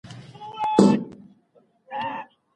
خلګ نه غواړي چي په تياره کي پاته سي.